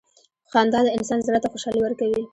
• خندا د انسان زړۀ ته خوشحالي ورکوي.